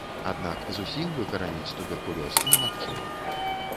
Аднак зусім выкараніць туберкулёз немагчыма.